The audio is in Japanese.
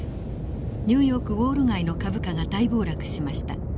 ニューヨークウォール街の株価が大暴落しました。